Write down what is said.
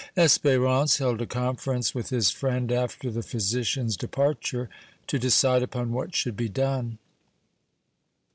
Espérance held a conference with his friend after the physician's departure to decide upon what should be done.